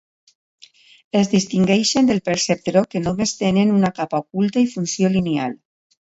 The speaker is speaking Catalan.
Es distingeixen del perceptró que només tenen una capa oculta i funció lineal.